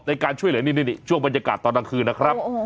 ในการช่วยเหลือนี่ช่วงบรรยากาศตอนกลางคืนนะครับ